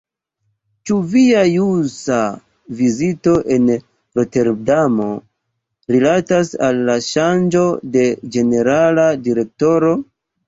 Ĉu via ĵusa vizito en Roterdamo rilatas al la ŝanĝo de ĝenerala direktoro?